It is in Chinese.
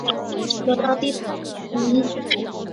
格拉蒂尼。